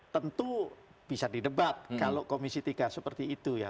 tentu bisa didebat kalau komisi tiga seperti itu ya